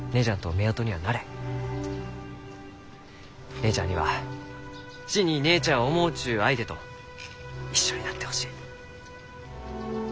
姉ちゃんには真に姉ちゃんを思うちゅう相手と一緒になってほしい。